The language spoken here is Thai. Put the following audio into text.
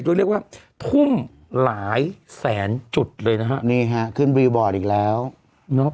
โดยเรียกว่าทุ่มหลายแสนจุดเลยนะฮะนี่ฮะขึ้นรีบอร์ดอีกแล้วเนอะ